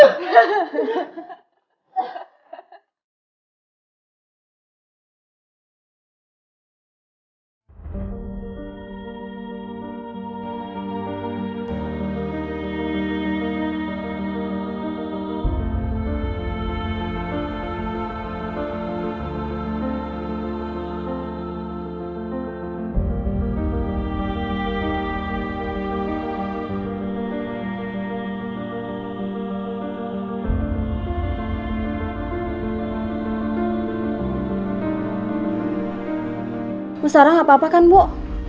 perasaanku gak enak